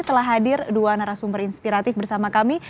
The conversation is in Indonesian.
telah hadir dua narasumber inspiratif bersama kami